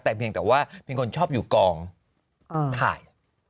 แต่เพียงแต่ว่าเป็นคนชอบอยู่กองถ่าย